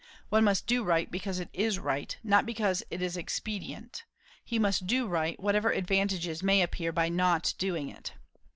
One must do right because it is right, not because it is expedient: he must do right, whatever advantages may appear by not doing it.